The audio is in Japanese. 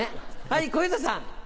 はい小遊三さん。